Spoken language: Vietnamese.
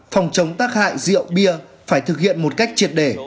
phòng chống tác hại rượu bia phải thực hiện một cách triệt đề